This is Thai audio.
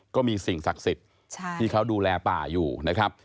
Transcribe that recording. ก็มีสิ่งศักดิ์สิทธิ์ที่เขาดูแลป่าอยู่นะครับ